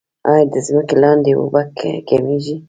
آیا د ځمکې لاندې اوبه کمیږي؟